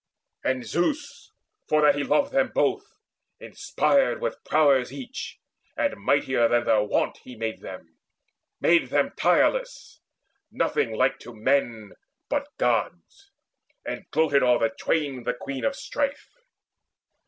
And Zeus, for that he loved them both, inspired With prowess each, and mightier than their wont He made them, made them tireless, nothing like To men, but Gods: and gloated o'er the twain The Queen of Strife.